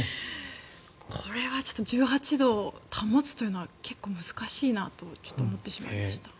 これはちょっと１８度を保つというのは結構難しいなと思ってしまいました。